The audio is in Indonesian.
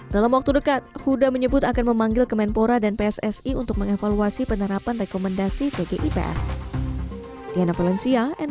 dalam waktu dekat huda menyebut akan memanggil kemenpora dan pssi untuk mengevaluasi penerapan rekomendasi tgipf